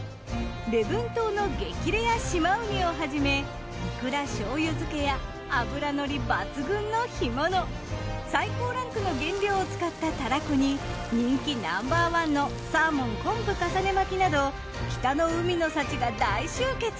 礼文島の激レア島ウニをはじめイクラ醤油漬けや脂乗り抜群の干物最高ランクの原料を使ったたらこに人気ナンバーワンのサーモン昆布重ね巻など北の海の幸が大集結。